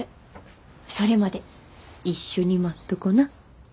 それまで一緒に待っとこな？